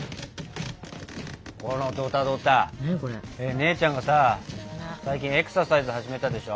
姉ちゃんがさ最近エクササイズ始めたでしょ？